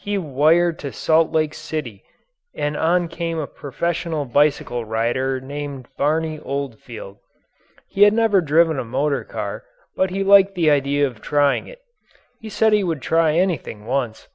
He wired to Salt Lake City and on came a professional bicycle rider named Barney Oldfield. He had never driven a motor car, but he liked the idea of trying it. He said he would try anything once.